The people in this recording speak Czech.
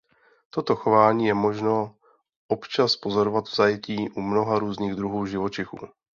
Toto chování je možno občas pozorovat v zajetí u mnoha různých druhů živočichů.